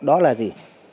đó là gì